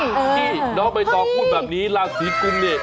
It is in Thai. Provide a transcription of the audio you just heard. นี่นอกไปต่อคุณแบบนี้ราศรีกุมเนี่ย